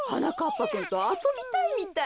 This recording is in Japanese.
ぱくんとあそびたいみたい。